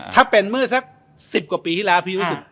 ถ้าเป็นเมื่อสัก๑๐กว่าปีที่แล้วพี่รู้สึก